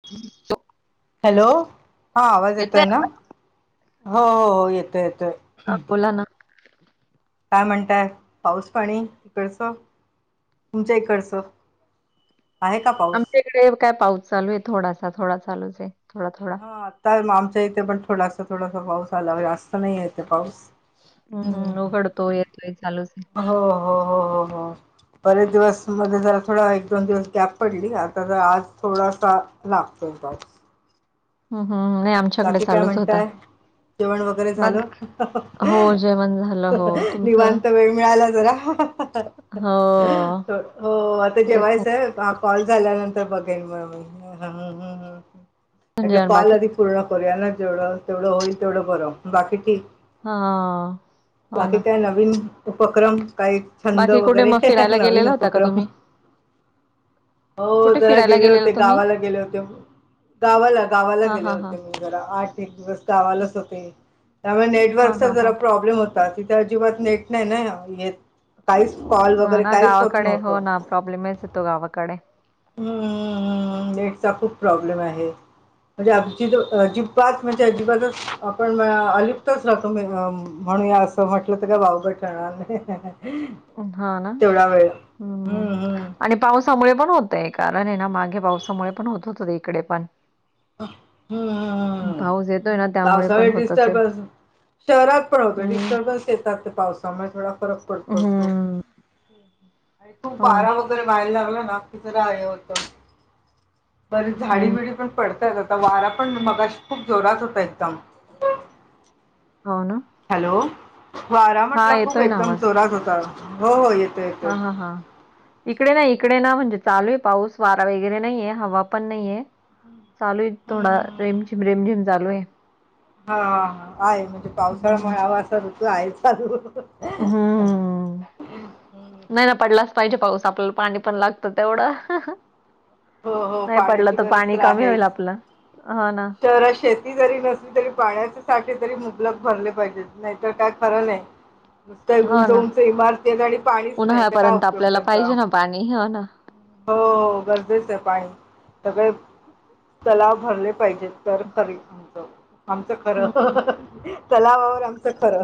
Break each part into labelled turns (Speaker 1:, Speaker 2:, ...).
Speaker 1: [inaudible]
Speaker 2: Hello. हा आवाज येतोय आहे ना? हो येतोय येतोय.
Speaker 1: हा बोला ना.
Speaker 2: काय म्हणताय पाऊस पाणी तिकडचं? तुमच्या इकडचं, आहे का पाऊस?
Speaker 1: ईकडे काय पाऊस थोडासा. थोडा चालूच आहे थोडा थोडा.
Speaker 2: ह आता आमच्या इथे पण थोडासा थोडासा पाऊस आला जास्त नाही येते पाऊस.
Speaker 1: हम्म हम् उघडतो, येतोय चालूच आहे.
Speaker 2: हो हो हो हो हो. बरेच दिवस मध्ये जरा थोडा एक दोन दिवस गॅप पडली. आता जरा आज थोडासा लागतोय पाऊस.
Speaker 1: हम् हम् नाही, आमच्याकडे
Speaker 2: बाकी काय
Speaker 1: चालूच होता.
Speaker 2: म्हणताय जेवण वगैरे झालं?
Speaker 1: बाकी
Speaker 2: ह ह
Speaker 1: हो जेवण झालं
Speaker 2: अ ह
Speaker 1: हो
Speaker 2: ह
Speaker 1: तुमचं
Speaker 2: निवांत वेळ. मिळायला जरा [unintelligible]
Speaker 1: हो
Speaker 2: हो आता
Speaker 1: तेच ना
Speaker 2: जेवायच आहे. कॉल झाल्यानंतर बघेन मग, ह. ह. ह. म्हटलं
Speaker 1: जेवण
Speaker 2: कॉल
Speaker 1: बाकी
Speaker 2: आदी पूर्ण करूया ना, जेवढं होईल तेवढं बरं, बाकी ठीक.
Speaker 1: हा हो
Speaker 2: बाकी
Speaker 1: ना
Speaker 2: काय नवीन उपक्रम काही? छंद
Speaker 1: बाकी कुठे मग
Speaker 2: वगैरे
Speaker 1: फिरायला
Speaker 2: नवीन
Speaker 1: गेलेला होता का
Speaker 2: उपक्रम.
Speaker 1: तुम्ही
Speaker 2: हो
Speaker 1: कुठे
Speaker 2: जरा
Speaker 1: फिरायला
Speaker 2: गेले
Speaker 1: गेलेला
Speaker 2: होते
Speaker 1: तुम्ही
Speaker 2: गावाला गेले होते, गावाला- गावाला
Speaker 1: हा
Speaker 2: गेले
Speaker 1: हा हा
Speaker 2: होते. जरा आठ एक दिवस गावालाच होते, त्यामुळे
Speaker 1: हा
Speaker 2: नेटवर्कचा
Speaker 1: हा हा
Speaker 2: जरा प्रॉब्लेम होता. तिथं अजिबात नेट नाही ना नेट, काहीच कॉल वगैरे काहीच होत नव्हतं.
Speaker 1: प्रॉब्लेमेच येतो गावाकडे.
Speaker 2: हूं....... नेटचा खूप प्रॉब्लेम आहे. म्हणजे अजि अजिबात म्हणजे अजिबातच आपण अलिप्तच राहतो मे म्हणूया असं. असं म्हटलं तर का वावगं ठरणार नाही.
Speaker 1: हा, ना.
Speaker 2: तेवढा वेळ
Speaker 1: हूं...
Speaker 2: हम्म हम्म.
Speaker 1: आणि पावसामुळे पण होतंय, कारण आहे ना मागे पावसामुळे पण होत होतं इकडेपण.
Speaker 2: हं.. ह.. हं...
Speaker 1: पाऊस येतोय ना. त्यामुळे पण
Speaker 2: पावसाळी
Speaker 1: होत असेल.
Speaker 2: डिस्टर्बन्स शहरात पण होतोय,
Speaker 1: हं.
Speaker 2: डिस्टर्बनस येतात ते पावस त्यामुळे थोडा फरक पडत असतो,
Speaker 1: हं.
Speaker 2: खूप
Speaker 1: हो ना.
Speaker 2: बारा वगैरे व्हायला लागले ना, तिथे राहिले होत बर झाडी-
Speaker 1: हं.
Speaker 2: बिडी पडतायेत आता वारा पण मगाशी खूप जोरात होता एकदम.
Speaker 1: हो, ना.
Speaker 2: हॅलो, वारा
Speaker 1: हां,
Speaker 2: म्हंटलं खूप
Speaker 1: येतोय ना
Speaker 2: एकदम जोरात होता. हो, हो. येतो. येतो
Speaker 1: हा.. हा.. हा.. इकडे ना, इकडे ना म्हणजे चालू आहे पाऊस वारा वगैरे नाहीये, हवा पण नाहीये. चालू आहे
Speaker 2: हम्म
Speaker 1: थोडा
Speaker 2: हम्म हम्म.
Speaker 1: रेमझिम- रेमझिम चालू आहे.
Speaker 2: हा, हा, हा. आहे म्हणजे पावसाळा
Speaker 1: हं.
Speaker 2: म्हळावा असा ऋतू आहे चालू.
Speaker 1: हं, हं. ह. नाही ना पडलाच पाहिजे पाऊस, आपल्याला पाणी पण लाग तं तेवढं
Speaker 2: हो हो
Speaker 1: नाही पडला
Speaker 2: पाण्याची
Speaker 1: तर,
Speaker 2: गरज
Speaker 1: पाणी कमी
Speaker 2: आहेच
Speaker 1: होईल आपलं. हो, ना.
Speaker 2: तर शेती जरी नसली, तरी पाण्याचे साठे तरी मुबलक भरले पाहिजेत नाहीतर काय खरं नाही. [inaudible] नुसतं एक
Speaker 1: हो
Speaker 2: उंच
Speaker 1: ना.
Speaker 2: -उंच इमारती आहेत आणि पाणीच नाही तर काय
Speaker 1: उन्हाळ्यापर्यंत
Speaker 2: उपयोग
Speaker 1: आपल्याला
Speaker 2: त्याचा.
Speaker 1: पाहिजे ना पाणी हो ना.
Speaker 2: हो, हो. गरजेच आहे पाणी सगळे तलाव भरले पाहिजेत. तर खरी, आमचं खरं
Speaker 1: हां,
Speaker 2: तलावावर आमचं खरं.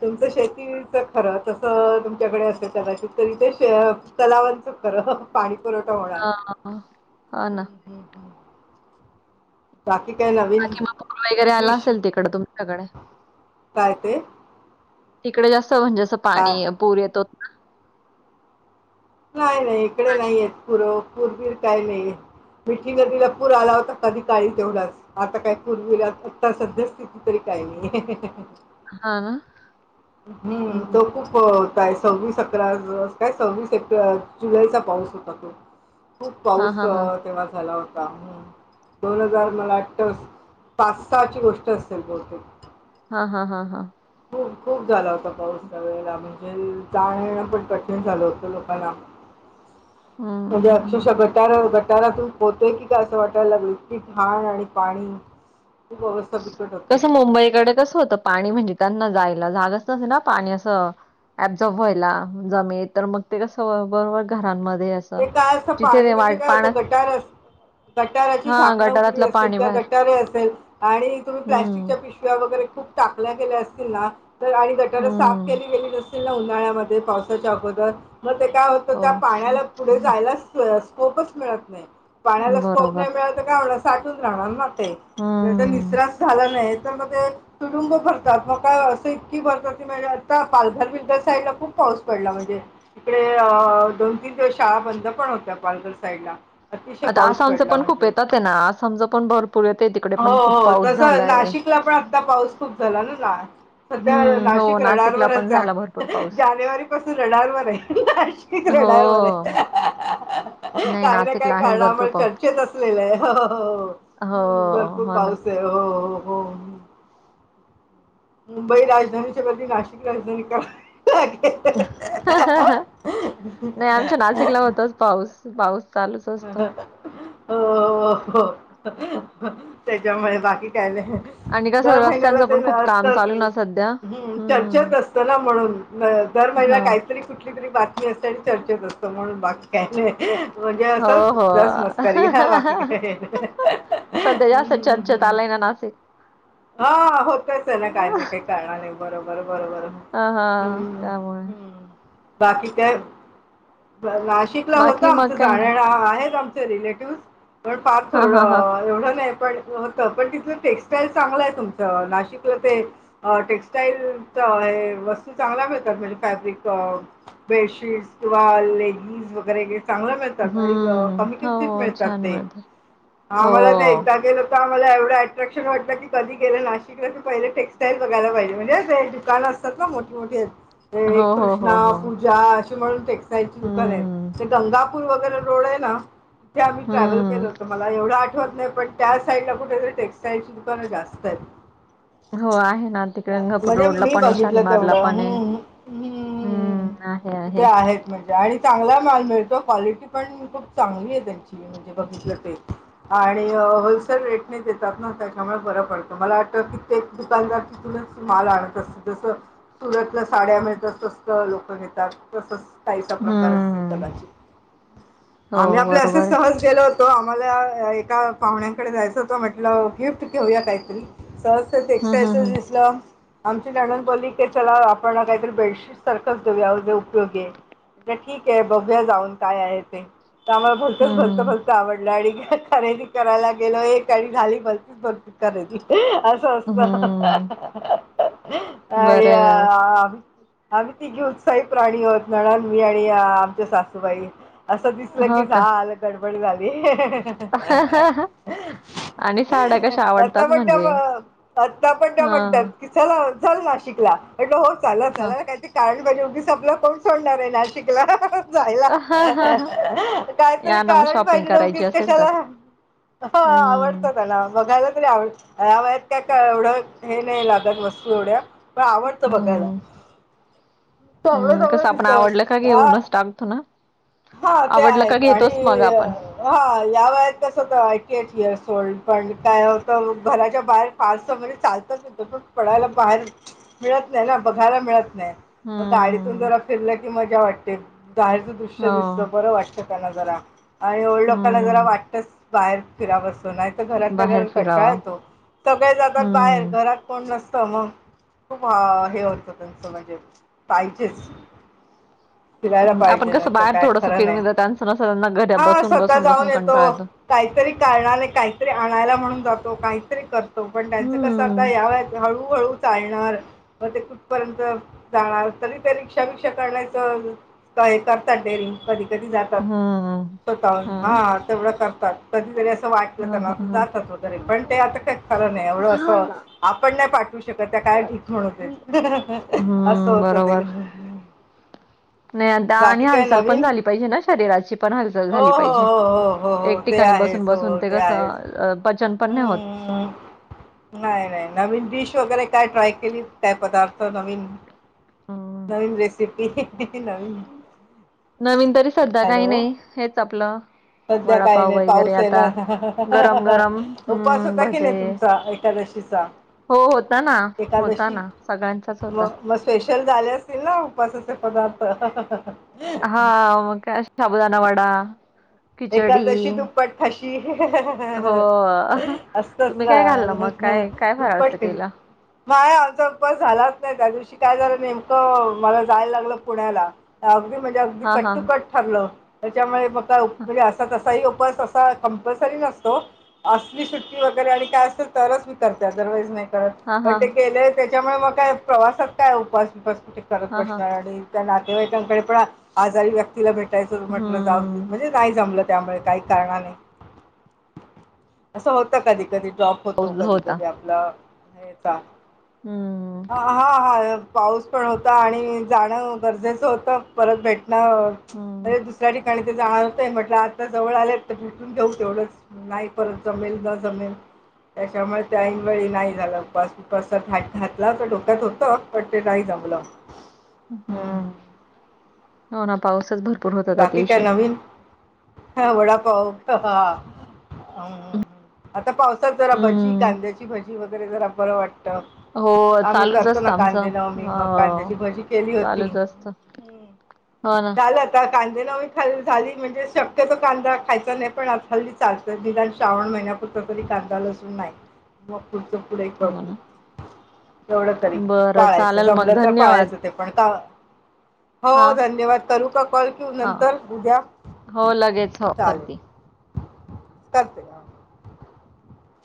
Speaker 2: तुमचं शेतीच खरं तसं तुमच्याकडे असेल कदाचित तरी ते श तलावातून खरं पाणी पुरवठा होणार.
Speaker 1: ह हो,
Speaker 2: हम्म,
Speaker 1: ना.
Speaker 2: हम्म, हम्म. बाकी काय नवीन?
Speaker 1: बाकी मग पुर वगैरे आला
Speaker 2: डिश
Speaker 1: असेल तिकडं तुमच्याकडे?
Speaker 2: काय ते.
Speaker 1: तिकडे जास्त म्हणजे असं
Speaker 2: काय
Speaker 1: पाणी पूर येतो.
Speaker 2: नाही -नाही इकडे नाही येत पुरव पूर-वीर काही नाही येत. मिठी नदीला पूर आला होता कधी काळी तेवढाच, आता काय पूर-बीर आता सध्यास तरी काही नाही,
Speaker 1: हां ना.
Speaker 2: हं.. तो खूप काय सव्वीस अकरा काय, सव्वीस एक जुलैचा पाऊस होता तो. खूप
Speaker 1: हां,
Speaker 2: पाऊस
Speaker 1: हां, हां.
Speaker 2: तेव्हा झाला होता. दोन हजार मला वाटतं पाच- सहाची गोष्ट असेल बहुतेक.
Speaker 1: हां हां हां हां.
Speaker 2: खूप खूप झाला होता पाऊस त्यावेळेला म्हणजे त्यावेळेला पण कठीण झालं होतं लोक मला म्हणजे
Speaker 1: हं.
Speaker 2: अक्षरशा गटार गटारातून पोहतोयं की काय असं वाटायला लागल इतकी घाण आणि पाणी खूप अवस्था बिकट होती.
Speaker 1: कसं मुंबईकडे कसं होतं पाणी? म्हणजे त्यांना जायला जागच नसेना पाणी असं बझॉर्ब व्हायला जमेतर मग ते कसं बरोबर घरांमध्ये असं
Speaker 2: ते काय असतं
Speaker 1: जिथे
Speaker 2: पाणी
Speaker 1: ते
Speaker 2: म्हणजे
Speaker 1: वाट
Speaker 2: काय
Speaker 1: पाण्यात
Speaker 2: असतं गटारच गटाराची
Speaker 1: हां,
Speaker 2: झाकणं उघडी
Speaker 1: गटारातलं
Speaker 2: असेल
Speaker 1: पाणी
Speaker 2: त्या
Speaker 1: बाहेर.
Speaker 2: गटारी असेल. आणि तुम्ही
Speaker 1: हं,
Speaker 2: प्लॅस्टिकच्या पिशव्या वगैरे खूप टाकल्या गेल्या असतील ना तर आणि गटारं साफ
Speaker 1: हं.
Speaker 2: केली गेली नसेल नां उन्हाळ्यामध्ये पावसाच्या अगोदर मग ते काय होतं त्या
Speaker 1: हो,
Speaker 2: पाण्याला जास्तच स्कोपच मिळत नाही पाण्याला स्कोप
Speaker 1: बरोबर.
Speaker 2: नाही मिळत तर काय होणार साठून राहणार ते. ज्याचा
Speaker 1: हं.
Speaker 2: निस्रास झाला नाही तर मग ते तुडुंब भरतात म काय असं इतकी भरतात की म्हणजे आता पालघर विद्या साईडला खूप पाऊस पडला म्हणजे ते अं दोन- तीन दिवस शाळा बंद पण होत्या पालघर साईड ला
Speaker 1: आता आसामच पण खूप येत होते नां आसामच पण भरपूर येते तिकडे
Speaker 2: हो,
Speaker 1: पण खूप
Speaker 2: हो.
Speaker 1: पाऊस
Speaker 2: तसं
Speaker 1: झालाय.
Speaker 2: नाशिकला पण आता पाऊस खूप झालेलायं ना सध्या
Speaker 1: हम्म हो
Speaker 2: नाशिक
Speaker 1: नाशिकला पण
Speaker 2: रडारवरचयं
Speaker 1: झाला भरपूर पाऊस.
Speaker 2: जानेवारी पासून रडारवरयं नाशिकि रडारवरयं.
Speaker 1: हों.
Speaker 2: कायी नां काय
Speaker 1: भरपूर
Speaker 2: कारणामुळे
Speaker 1: पाऊस
Speaker 2: चर्चेत असलेलंयं हों.
Speaker 1: हो
Speaker 2: हुं भरपूर
Speaker 1: हो ना.
Speaker 2: पाऊसयं हों हों हों. मुंबई राजधानीच्या बदली नाशिक राजधानी करावी लाेगेल.
Speaker 1: [unintelligible] नायी आमच्या नाशिकला होतचं पाऊस, पाऊस चालूच असतो.
Speaker 2: होंहों हों त्याच्यामुळे बाकी काय नाय.
Speaker 1: आणि कसं
Speaker 2: दर महिन्याला
Speaker 1: रस्त्यांचं
Speaker 2: ते
Speaker 1: पण खूप
Speaker 2: अस
Speaker 1: काम
Speaker 2: [inaudible]
Speaker 1: चालू ना सध्या
Speaker 2: चर्चेस
Speaker 1: हम्म
Speaker 2: असतं ना, म्हणून दर
Speaker 1: हा
Speaker 2: महिन्याला काहीतरी कुठलीतरी बात तमी असतं म्हणून बाकी कायी नाही. म्हणजे
Speaker 1: हो हो.
Speaker 2: असंच जस्ट मस्करी बाकी काही नाही. [inaudible]
Speaker 1: सध्या ह्या असं चर्चेत आलंय ना नाशिक.
Speaker 2: हां होतयचं ना कायी नाय कायी करणार नी बरोबर बरोबर.
Speaker 1: हां हां
Speaker 2: हम्म
Speaker 1: त्यामुळे
Speaker 2: हम्म. बाकी ते नाशिकला होतं
Speaker 1: बाकी मग
Speaker 2: आमचं
Speaker 1: काही
Speaker 2: जात
Speaker 1: नाही.
Speaker 2: येण आहेच आम्हच चे रिलेटिव्ह पण फार
Speaker 1: हां,
Speaker 2: थड
Speaker 1: हां, हां.
Speaker 2: एवढं नाही पण होतं पण तिथलं टेक्सटाइल चांगलंयं तुमचं नाशिक अं ते टेक्स्टाईलचं हे वस्तू चांगल्या मिळतात म्हणजे फॅब्रिक बेडशीट किंव्हा लेगिन्स वगैरे चांगलं मिळतात आणि ब
Speaker 1: हम्म.
Speaker 2: कमी किंमतीत
Speaker 1: हो,
Speaker 2: मिळतात
Speaker 1: छान
Speaker 2: ते
Speaker 1: मिळतात. हो.
Speaker 2: आम्हाला ते एकदा गेलं तिथं आम्हाला एवढं ॲट्रॅक्शन‌ वाटतं की कधी गेलं नाशिकलाकी पहिले टेक्स्टाईल बघायला पाहिजे म्हणजे ते दुकानं असतात ना मोठ मोठ्ठी ते
Speaker 1: हो, हो, हो,
Speaker 2: कृष्णा
Speaker 1: हो.
Speaker 2: पु जा अशी म्हणून टेक्सटाइल ची
Speaker 1: हम्म,
Speaker 2: दुकानयेत ते गंगापूर वगैरे रोडये ना. ते आम्ही ट्रॅव्हल केल
Speaker 1: हम्म.
Speaker 2: होत मला आठ ठवत नाही पण त्या साईड ला कुठेतरी टेक्स्टाईल ची दुकानं जास्तयेत.
Speaker 1: हो आहे ना, तिकडे गंगापूर
Speaker 2: म्हणजे
Speaker 1: रोडला
Speaker 2: मी
Speaker 1: पण आहे
Speaker 2: बघितलं
Speaker 1: शालीमारला
Speaker 2: तेवढं
Speaker 1: पण आहे
Speaker 2: हम्म
Speaker 1: हम्म. हे
Speaker 2: तिथे
Speaker 1: आहे
Speaker 2: आहेत म्हणजे आणि चांगला माल मिळतो, क्वालिटी पण खूप चांगली आहे त्यांची म्हणजे बघितलं ते आणि होलसेल रेटने देतात न त्याच्यामुळे बरं पडतं मला वाटतं की तेच दुकानदार तिथूनच माल आणत असती अस सुरतला साड्या मिळतात तसल लोकं नेतात तसंच काहीसा प्रकार असेल
Speaker 1: हम्म.
Speaker 2: कदाचित,
Speaker 1: हो,
Speaker 2: आम्ही आपले
Speaker 1: बरोबर
Speaker 2: असंच
Speaker 1: आहे.
Speaker 2: सहज गेलो होतो आम्हाला एका पाहुण्यांकडे जायचं होत म्हटलं गिफ्ट घेऊया काहीतरी. सहस्त्र
Speaker 1: हं, हं,
Speaker 2: एक्ससाइंशच
Speaker 1: हं.
Speaker 2: दिसलं. आमची ननंद बोली के चला आपण काहीतरी बेडशीट सारखंच देऊया जे उपयोगी आहे. म्हटलं ठीक आहे बघूया जाऊन काय आहे ते तर आम्हाला भलतच भलत भलत
Speaker 1: हं,
Speaker 2: आवडलं आणि खरेदी करायला गेलो एक आणि झाली भलतीच भलती खरेदी अस [inaudible]
Speaker 1: हं.
Speaker 2: आणि
Speaker 1: बरं आहे व्यवस्थित.
Speaker 2: आम्ही आम्ही तिघे उत्साही प्राणी आहोत ननंद मी आणि आमचे सासुबाई. असं दिसलं,
Speaker 1: हो
Speaker 2: की
Speaker 1: का?
Speaker 2: झालं गडबड झाली. [inaudible]
Speaker 1: आणि साड्या कशा आवडतात
Speaker 2: आता मजा
Speaker 1: म्हणजे?
Speaker 2: मग आता पण त्या म्हणतात,
Speaker 1: हां,
Speaker 2: की चला चल नाशिकला म्हटलं हो चला
Speaker 1: हां.
Speaker 2: चालायला काय ते कारण पाहिजे उगीच आपल कोण सोडणार आहे नाशिकला जायला [inaudible] काही तरी
Speaker 1: या ना मग
Speaker 2: कारण
Speaker 1: शॉपिंग
Speaker 2: पाहिजे न,
Speaker 1: करायची
Speaker 2: उगीच
Speaker 1: असेल तर.
Speaker 2: कशाला? अ हा
Speaker 1: हं,
Speaker 2: आवडतं त्याला बघायला तरी आवड या वयात काय का एवढं हे नाही लागत वस्तू एवढ्या. पण आवडत बघायला.
Speaker 1: हं.
Speaker 2: चांगलं
Speaker 1: हम्म,
Speaker 2: चांगलं
Speaker 1: कसं आपण आवडलं का
Speaker 2: दिसत आ
Speaker 1: घेऊनच टाकतो ना.
Speaker 2: हा ते
Speaker 1: आवडलं
Speaker 2: आहे
Speaker 1: का
Speaker 2: आणि
Speaker 1: घेतोच मग आपण.
Speaker 2: हा या वयात कसं होत आय टी एस एअर सोड पण काय होतं घराच्या बाहेर फारसं म्हणजे चालताच येतं पण पडायला बाहेर मिळत नाही ना बघायला मिळत नाही, गाडीतून
Speaker 1: हम्म.
Speaker 2: जरा फिरलं की मज्जा वाटते, बाहेरचं दृश्य
Speaker 1: हो.
Speaker 2: दिसत बरं वाटत. फिरताना जरा आणि ओल्ड लोकांना जरा
Speaker 1: हम्म.
Speaker 2: वाटतच बाहेर फिरावस नाही तर
Speaker 1: बाहेर
Speaker 2: घरात कंटाळ
Speaker 1: फिरावं.
Speaker 2: येतो, सगळे जातात बाहेर
Speaker 1: हम्म.
Speaker 2: घरात कोण नसत मग खूप हे होतं त्यांचं म्हणजे पाहिजेच, फिरायला
Speaker 1: हं, आपण
Speaker 2: पाहिजे ना.
Speaker 1: कसं
Speaker 2: त
Speaker 1: बाहेर
Speaker 2: काय
Speaker 1: थोडंसं
Speaker 2: खरं नाही,
Speaker 1: फिरून येतो त्यांचं नसतं त्यांना घरी
Speaker 2: हा
Speaker 1: बसून,
Speaker 2: स्वतः
Speaker 1: बसून,
Speaker 2: जाऊन
Speaker 1: बसून कंटाळा
Speaker 2: येतो. काहीतरी कारणाने काहीतरी आणायला म्हणून जातो काहीतरी कर तो पण त्यांचं कसं आता
Speaker 1: हम्म.
Speaker 2: या वयात हळूहळू चालणार मंग ते कुठपर्यंत जाणार, तरी ते रिक्षा बिक्षा करण्याचं काय करतात डेरिंग. कधी कधी जातात
Speaker 1: हम्म.
Speaker 2: स्वतःहून
Speaker 1: हां.
Speaker 2: हा तेवढं करतात कधीतरी असं वाट
Speaker 1: हां,
Speaker 2: त्यांना तर
Speaker 1: हां, हां.
Speaker 2: जातात वगैरे पण ते आता का खर नाही एवढं अस आपण नाही पाठवू श क काय ठीक होण तेच [unintelligible] असं
Speaker 1: हम्म,
Speaker 2: होत ते.
Speaker 1: बरोबर. नाही आता आणि
Speaker 2: बाकी
Speaker 1: हा
Speaker 2: काय
Speaker 1: हालचाल पण
Speaker 2: नवीन?
Speaker 1: झाली पाहिजे शरीराची पण हालचाल
Speaker 2: हो
Speaker 1: झाली
Speaker 2: हो
Speaker 1: पाहिजे
Speaker 2: हो हो हो हो
Speaker 1: एक
Speaker 2: ते
Speaker 1: ठिकाणी बसून
Speaker 2: आहेच हो
Speaker 1: बसून
Speaker 2: हो,
Speaker 1: ते कस
Speaker 2: आहेच
Speaker 1: अ पचन पण नाही होत.
Speaker 2: हम्म नाही नाही नवीन डिश वगैरे काय ट्राय केलीत? काय पदार्थ नवीन?
Speaker 1: अ
Speaker 2: नवीन रेसिपी नवीन
Speaker 1: नवीन तरी सध्या काही
Speaker 2: हॅलो
Speaker 1: नाही हेच आपलं.
Speaker 2: सध्या काही
Speaker 1: वडापाव
Speaker 2: नाही
Speaker 1: वगैरे
Speaker 2: पाऊस आहे
Speaker 1: आता
Speaker 2: ना,
Speaker 1: गरम गरम
Speaker 2: उपवास
Speaker 1: हम्म
Speaker 2: होता की
Speaker 1: भजे
Speaker 2: नाही तुमचा एखादशी? शीचा.
Speaker 1: हो होता ना, होता ना सगळ्यांचाच
Speaker 2: म
Speaker 1: होता‌.
Speaker 2: मग स्पेशल झाले असतील ना उपासाचे पदार्थ,
Speaker 1: हा म काय शबुदाना वडा, खिचडी
Speaker 2: एकादशी दुप्पट खाशी
Speaker 1: हो
Speaker 2: असतंच
Speaker 1: तुम्ही
Speaker 2: ना.
Speaker 1: काय खाल्लं मग
Speaker 2: हा
Speaker 1: काय काय फराळाच
Speaker 2: दुप्पट का
Speaker 1: केलं
Speaker 2: नाहीय आमचा उपवास झालाच नाही त्या दिवशी काय झालं नेमकं मला जायला लागलं पुण्याला. अगदी म्हणजे अगदी
Speaker 1: हा हा
Speaker 2: कट्टुकट ठरलं त्याच्यामुळे म
Speaker 1: हा
Speaker 2: म्हणजे असा तसाही उपवास असतो. या कप्लसरी नसतो असली सुट्टी वगैरे आणि काय असलं तरच मी करते अदरवाईज नाही. त
Speaker 1: हा
Speaker 2: पण
Speaker 1: हा
Speaker 2: ते गेले त्यांच्यामुळे मग काय प्रवासात काय उपस विपास कुठे करत
Speaker 1: हा हा
Speaker 2: बसनार आम्ही. त्या नातेवाईकांकडे पण आजारी व्यक्तीला भेटायचं म्हटलं जाऊ
Speaker 1: हम्म
Speaker 2: म्हणजे, नाही जमलं त्यामुळे काही कारणाने, असं होत कधी कधी ड्रॉप
Speaker 1: पाऊस
Speaker 2: होतो कधी
Speaker 1: होता
Speaker 2: कधी आपला हेचा,
Speaker 1: हम्म हम्म
Speaker 2: हा हा पाऊस पण होता आणि जाणं गरजेचं होतं परत भेटणं
Speaker 1: हम्म
Speaker 2: अरे दुसऱ्या ठिकाणी ते जाणार, म्हटलं आता जवळ आलेत तर भुटून घेऊ तेवढंच नाही परत जमेल न जमेल. त्यांच्यामुळे ते ऐन वळी नाही झाला उपावास उपसा ट [unintelligible] घातला अस डोक्यात होत. पण ते नाही जमलं. हं.
Speaker 1: हम्म हो ना पाऊसच भर
Speaker 2: बाकी काय नवीन, वडापाव आता पावसात जरा भजी
Speaker 1: हम्म
Speaker 2: कांद्याची भजी वगैरे जरा बरं वाटतं.
Speaker 1: हो
Speaker 2: आम्ही
Speaker 1: चालूच
Speaker 2: करतो
Speaker 1: असत
Speaker 2: ना
Speaker 1: आमचं
Speaker 2: कांदे नवमी मग कांद्याची
Speaker 1: अ
Speaker 2: भजी केली होती.
Speaker 1: चालूच असतं.
Speaker 2: हं.
Speaker 1: हो ना
Speaker 2: झालं आता कांदे नवी खाली झाली म्हणजे शक्यतो कांदा खायचा नाही पण आता हल्ली चाल तर निदान श्रावण महिन्यापुरतं तरी कांदालं असून नाही मग, पुढचं पुढे
Speaker 1: हो
Speaker 2: बघू,
Speaker 1: ना
Speaker 2: एवढं तरी
Speaker 1: बरं
Speaker 2: पाळायचं
Speaker 1: चालेल मग
Speaker 2: जमलं तर
Speaker 1: धन्यवाद
Speaker 2: पाळायचं ते- पण का
Speaker 1: हा
Speaker 2: हो धन्यवाद करु का कॉल करू
Speaker 1: हा
Speaker 2: नंतर उद्या
Speaker 1: हो लगेच हो
Speaker 2: चालेल
Speaker 1: करते
Speaker 2: करते.